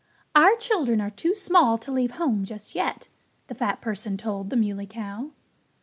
"Our children are too small to leave home just yet," the fat person told the Muley Cow.